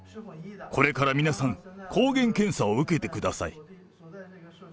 これから皆さん、抗原検査を受けてください。